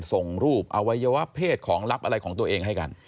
ส่งรูปอวัยวะเพศของลับอะไรของตัวเองให้กัน